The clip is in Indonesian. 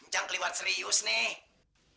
cang keliwat serius nih